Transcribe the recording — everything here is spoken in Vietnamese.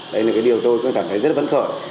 đấy là cái điều tôi cũng cảm thấy rất là vấn khởi